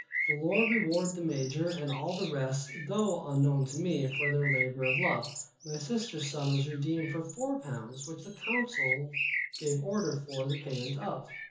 The Lord reward the major, and all the rest, though unknown to me, for their labor of Love. My sister's son was redeemed for four pounds, which the council gave order for the payment of.